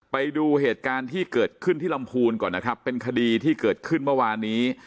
ไปดูเหตุการณ์ที่เกิดขึ้นที่ลำพูนก่อนนะครับเป็นคดีที่เกิดขึ้นเมื่อวานนี้